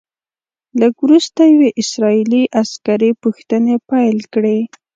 لږ وروسته یوې اسرائیلي عسکرې پوښتنې پیل کړې.